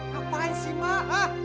ngapain sih mak